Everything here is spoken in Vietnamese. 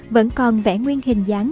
vẫn còn vẽ nguyên hình dáng